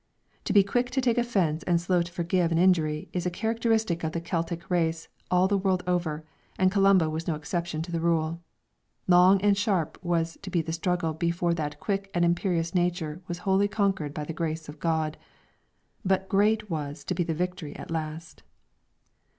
To be quick to take offence and slow to forgive an injury is a characteristic of the Celtic race all the world over, and Columba was no exception to the rule. Long and sharp was to be the struggle before that quick and imperious nature was wholly conquered by the grace of God, but great was to be the victory at last.